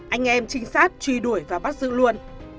anh em trinh sát truy đuổi và bắt giữ luôn